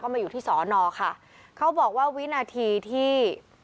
มาอยู่ที่สอนอค่ะเขาบอกว่าวินาทีที่